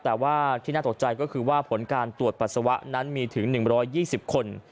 แต่ว่าที่น่าตกใจก็คือว่าผลการตรวจปัสสาวะนั้นมีถึง๑๒๐คน